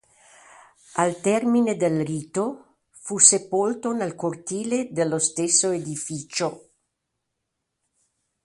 Al termine del rito fu sepolto nel cortile dello stesso edificio.